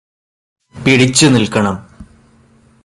പിടിച്ച് നില്ക്കണം